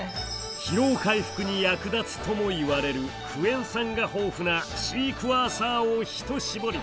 疲労回復に役立つとも言われるクエン酸が豊富なシークワーサーをひと搾り！